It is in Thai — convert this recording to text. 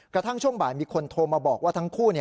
ช่วงบ่ายมีคนโทรมาบอกว่าทั้งคู่